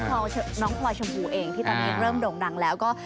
พอน้องพลอยชมพูเองที่ตอนนี้เริ่มโด่งดังแล้วก็